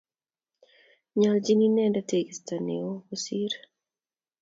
Nyoljin inendet teegesto ine neo kosir